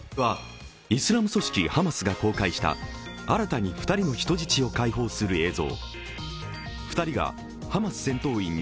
イスラム組織ハマスが公開した、新たに２人の人質を解放する映像。